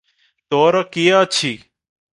ତୋର କିଏ ଅଛି?